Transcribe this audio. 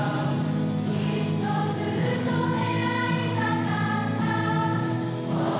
「きっとずっと出会いたかった」